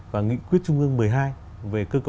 và nghị quyết trung ương một mươi hai về cơ cấu